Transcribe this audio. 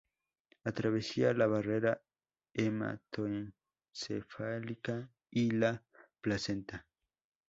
Atraviesa la barrera hematoencefálica y la placenta.